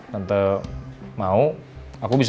tante mau aku bisa